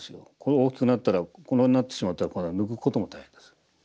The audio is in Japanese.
大きくなったらこんなになってしまったら今度は抜くことも大変です。